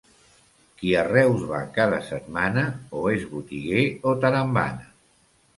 Qui a Reus va cada setmana, o és botiguer o tarambana.